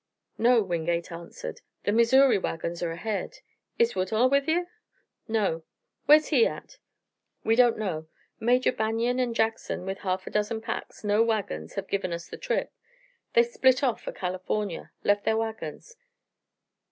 "No," Wingate answered. "The Missouri wagons are ahead." "Is Woodhull with ye?" "No." "Whar's he at?" "We don't know. Major Banion and Jackson, with a half dozen packs, no wagons, have given up the trip. They've split off for California left their wagons."